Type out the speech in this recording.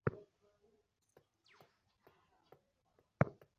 তিনি আধুনিক রুশ সাহিত্যিক ভাষা গঠনে প্রভাব বিস্তার করেছিলেন।